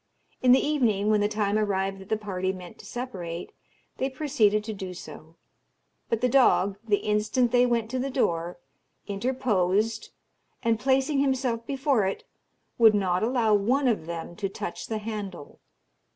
In the evening, when the time arrived that the party meant to separate, they proceeded to do so; but the dog, the instant they went to the door, interposed, and placing himself before it, would not allow one of them to touch the handle.